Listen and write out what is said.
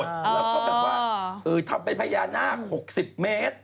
แล้วก็แบบว่าทำเป็นพญานาค๖๐เมตร